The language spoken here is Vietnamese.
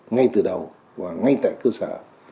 ngay từ đầu và ngay tại cơ sở